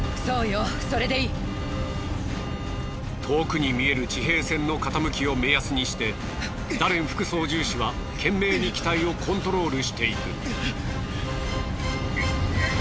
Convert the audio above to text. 遠くに見える地平線の傾きを目安にしてダレン副操縦士は懸命に機体をコントロールしていく。